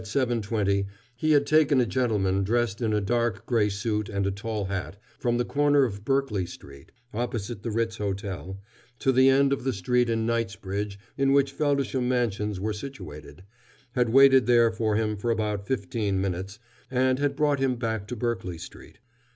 20, he had taken a gentleman dressed in a dark gray suit and a tall hat from the corner of Berkeley Street (opposite the Ritz Hotel) to the end of the street in Knightsbridge in which Feldisham Mansions were situated, had waited there for him for about fifteen minutes, and had brought him back to Berkeley Street.